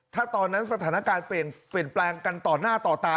ถ้าตอนนั้นสถานการณ์เปลี่ยนแปลงกันต่อหน้าต่อตา